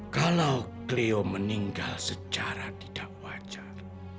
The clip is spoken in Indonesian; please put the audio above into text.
kalau leo meninggal secara tidak wajar